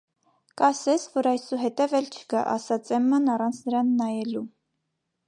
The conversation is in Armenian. - Կասես, որ այսուհետև էլ չգա,- ասաց էմման առանց նրան նայելու: